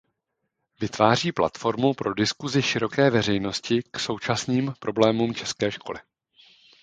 Vytváří platformu pro diskusi široké veřejnosti k současným problémům české školy.